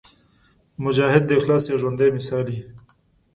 مجاهد د اخلاص یو ژوندی مثال وي.